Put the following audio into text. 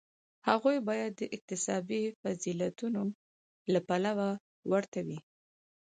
هغوی باید د اکتسابي فضیلتونو له پلوه ورته وي.